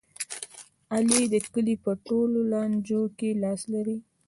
علي د کلي په ټول لانجو کې لاس لري.